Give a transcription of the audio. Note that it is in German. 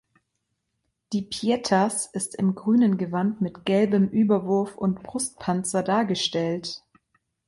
Die Pietas ist in grünem Gewand mit gelbem Überwurf und Brustpanzer dargestellt.